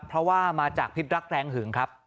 เพราะว่ามาจากพิษรักแรงหึงครับ